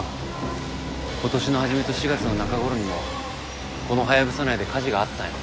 今年の始めと４月の中頃にもこのハヤブサ内で火事があったんや。